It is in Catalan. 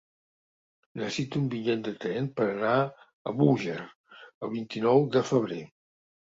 Necessito un bitllet de tren per anar a Búger el vint-i-nou de febrer.